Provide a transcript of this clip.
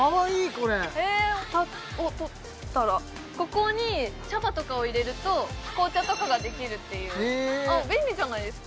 これ蓋を取ったらここに茶葉とかを入れると紅茶とかができるっていう便利じゃないですか！